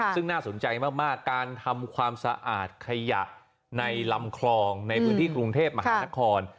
ซึ่งน่าสนใจมากการทำความสะอาดขยะในลำคลองในพื้นที่กรุงเทพมหานคร